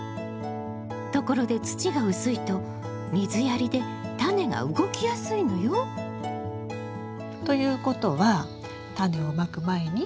ところで土が薄いと水やりでタネが動きやすいのよ。ということはタネをまく前に？